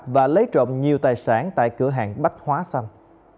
và lấy trộm nhiều tài sản tại cửa hàng bách hóa xanh